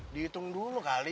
dihitung dulu kali